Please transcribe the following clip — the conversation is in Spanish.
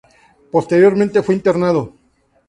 Posteriormente fue internado.